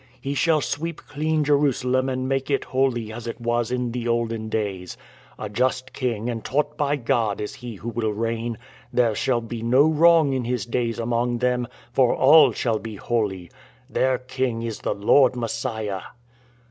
He shall sweep clean Jerusalem and make it holy As it was in the olden days. A just King and taught by God is he who will reign, There shall be no wrong in his days among them, For all shall be holy: Their King is the Lord Messiah."